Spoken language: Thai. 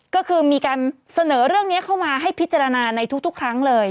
ก็คือมีการเสนอเรื่องนี้เข้ามาให้พิจารณาในทุกครั้งเลย